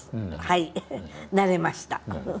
はいなれました。